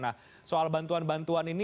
nah soal bantuan bantuan ini